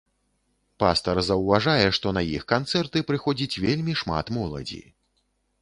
Пастар заўважае, што на іх канцэрты прыходзіць вельмі шмат моладзі.